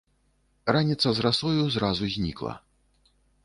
Раніца з расою зразу знікла.